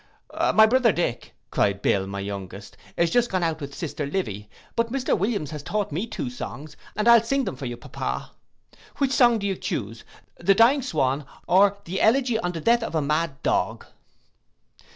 '—'My brother Dick,' cried Bill my youngest, 'is just gone out with sister Livy; but Mr Williams has taught me two songs, and I'll sing them for you, pappa. Which song do you chuse, the Dying Swan, or the Elegy on the death of a mad dog?